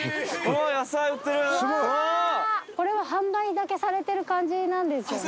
これは販売だけされてる感じなんですよね？